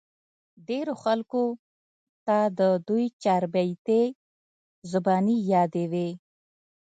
ډېرو خلقو ته د دوي چاربېتې زباني يادې وې